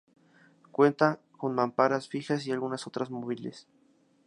Cuenta con mamparas fijas y algunas otras móviles.